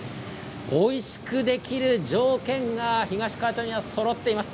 おいしくできる条件が東川町にはそろっています。